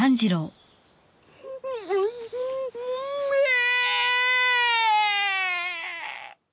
うめえぇ！！